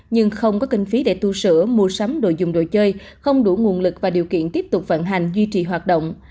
nhưng không có kinh phí để tu sửa mua sắm đồ dùng đồ chơi không đủ nguồn lực và điều kiện tiếp tục vận hành duy trì hoạt động